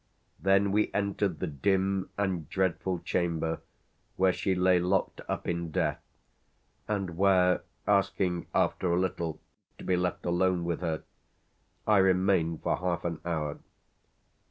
Then we entered the dim and dreadful chamber where she lay locked up in death and where, asking after a little to be left alone with her, I remained for half an hour.